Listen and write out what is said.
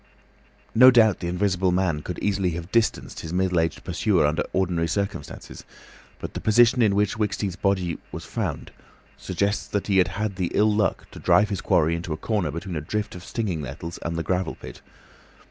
No doubt the Invisible Man could easily have distanced his middle aged pursuer under ordinary circumstances, but the position in which Wicksteed's body was found suggests that he had the ill luck to drive his quarry into a corner between a drift of stinging nettles and the gravel pit.